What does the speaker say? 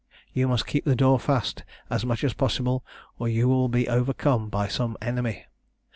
You must keep the door fast as much as possible or you will be overcome by some enemy.